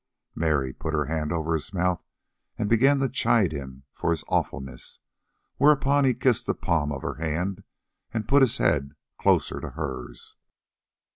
Mary put her hand over his mouth and began to chide him for his awfulness, whereupon he kissed the palm of her hand and put his head closer to hers.